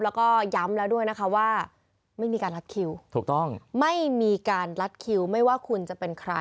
แล้วก็ย้ำแล้วด้วยนะคะว่าไม่มีการลัดคิวถูกต้องไม่มีการลัดคิวไม่ว่าคุณจะเป็นใคร